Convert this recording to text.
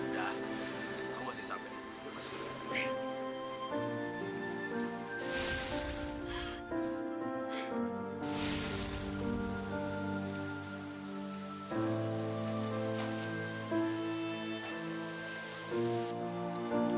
ya kamu pasti sampai